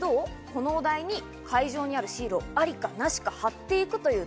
このお題に会場にあるシールをアリかナシか貼っていくという。